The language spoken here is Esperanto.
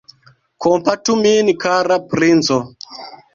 Kompatu min, kara princo!